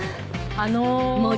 あの。